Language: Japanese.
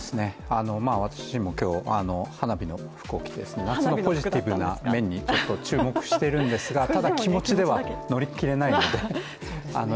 私も今日、花火の服を着て夏のポジティブな面に注目してるんですがただ気持ちでは乗り切れないですね。